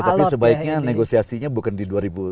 tapi sebaiknya negosiasinya bukan di dua ribu tiga puluh sembilan